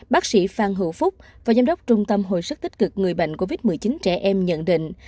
bác sĩ phan hữu phúc và giám đốc trung tâm hồi sức tích cực người bệnh covid một mươi chín trẻ em nhận định